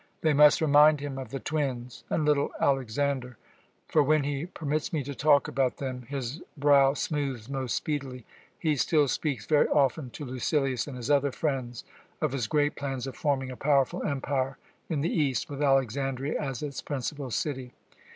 They must remind him of the twins and little Alexander; for when he permits me to talk about them his brow smooths most speedily. He still speaks very often to Lucilius and his other friends of his great plans of forming a powerful empire in the East, with Alexandria as its principal city.